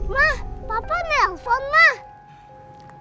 mah papa nelfon mah